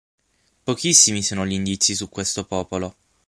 Pochissimi sono gli indizi su questo popolo.